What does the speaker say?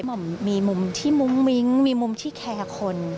ห่อมมีมุมที่มุ้งมิ้งมีมุมที่แคร์คน